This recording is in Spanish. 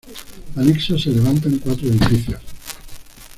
Anexos se levantan cuatro edificios.